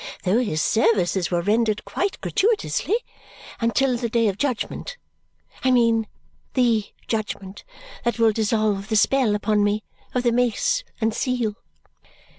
Though his services were rendered quite gratuitously. Until the Day of Judgment. I mean THE judgment that will dissolve the spell upon me of the mace and seal."